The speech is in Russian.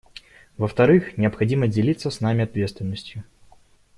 Во-вторых, необходимо делиться с нами ответственностью.